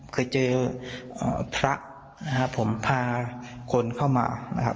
เคยเจอพระนะครับผมพาคนเข้ามานะครับ